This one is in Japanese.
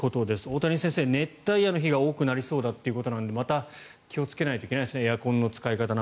大谷先生、熱帯夜の日が多くなりそうだということなのでまた気をつけないといけないですね